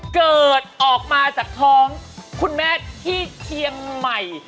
เกิดออกมาจากท้องคุณแม่ที่เชียงใหม่